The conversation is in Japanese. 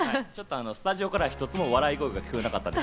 スタジオから一つも笑いが聞こえなかった。